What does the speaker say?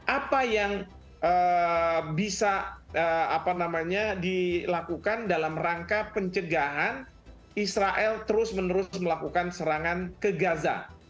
apa yang bisa dilakukan dalam rangka pencegahan israel terus menerus melakukan serangan ke gaza